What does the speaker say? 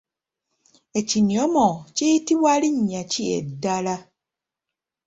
Ekinyomo kiyitibwa linnya ki eddala?